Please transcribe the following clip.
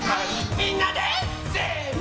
みんなでせの！